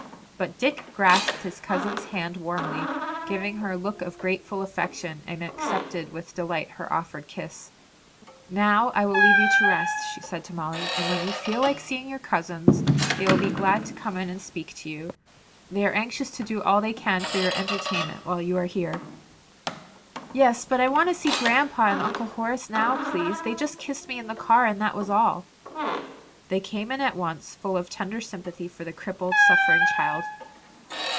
But Dick grasped his cousin's hand warmly, giving her a look of grateful affection, and accepted with delight her offered kiss. "Now, I will leave you to rest," she said to Molly, "and when you feel like seeing your cousins, they will be glad to come in and speak to you. They are anxious to do all they can for your entertainment while you are here." "Yes, but I want to see grandpa and Uncle Horace now, please; they just kissed me in the car, and that was all." They came in at once, full of tender sympathy for the crippled, suffering child.